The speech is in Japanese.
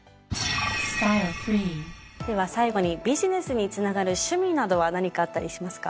では最後にビジネスにつながる趣味などは何かあったりしますか？